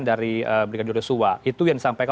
dari brigadir yosua itu yang disampaikan